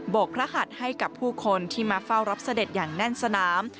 กพระหัดให้กับผู้คนที่มาเฝ้ารับเสด็จอย่างแน่นสนาม